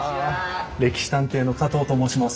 「歴史探偵」の加藤と申します。